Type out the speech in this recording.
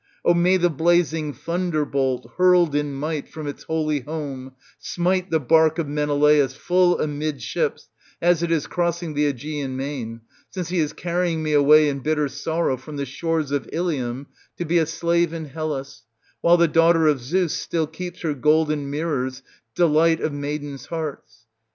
Oh may the blazing thunderbolt, hurled in might from its holy home, smite the barque of Menelaus full amidships as it is crossing the ^Egean' main, since he is carrying me away in bitter sorrow from the shores of Ilium to be a slave in Hellas, while the daughter of Zeus still keeps her golden mirrors, delight of maidens' hearts.